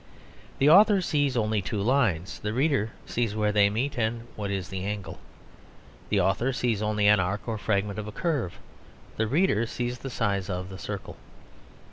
The author sees only two lines; the reader sees where they meet and what is the angle. The author sees only an arc or fragment of a curve; the reader sees the size of the circle.